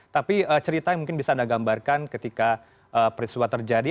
tapi cerita yang mungkin bisa anda gambarkan ketika peristiwa terjadi